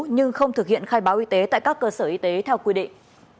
nhưng không thực hiện khai báo y tế tại các cơ sở y tế theo quy định